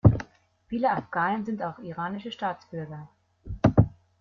Viele Afghanen sind auch iranische Staatsbürger.